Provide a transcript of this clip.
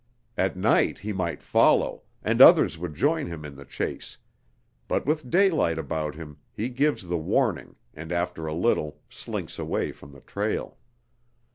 At night he might follow, and others would join him in the chase; but with daylight about him he gives the warning and after a little slinks away from the trail.